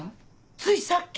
ついさっき。